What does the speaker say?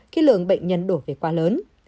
khi lượng bệnh nhân đổ về quá lớn